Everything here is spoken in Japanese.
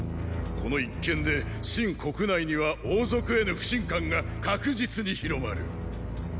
この一件で秦国内には王族への不信感が確実に広まる。